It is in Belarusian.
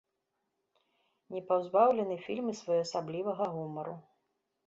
Не пазбаўлены фільм і своеасаблівага гумару.